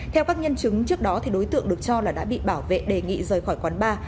theo các nhân chứng trước đó đối tượng được cho là đã bị bảo vệ đề nghị rời khỏi quán bar